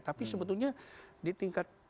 tapi sebetulnya di tingkat